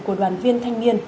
của đoàn viên thanh niên